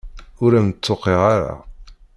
Ur am-d-tuqiɛ ara.